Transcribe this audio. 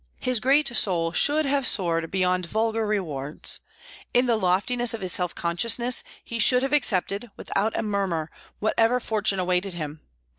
His great soul should have soared beyond vulgar rewards. In the loftiness of his self consciousness he should have accepted, without a murmur, whatever fortune awaited him.